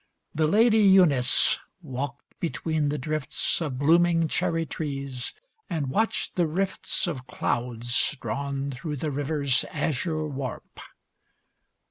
The Lady Eunice walked between the drifts Of blooming cherry trees, and watched the rifts Of clouds drawn through the river's azure warp.